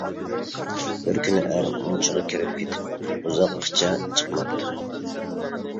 بىر كۈنى ئەر مۇنچىغا كىرىپ، كېتىپ ئۇزاققىچە چىقماپتۇ.